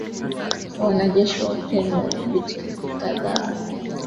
Wanajeshi wa Ukraine wadhibithi miji kadhaa na kurusha Kombora Russia